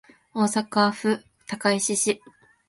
大阪府高石市